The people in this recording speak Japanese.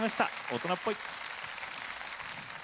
大人っぽい。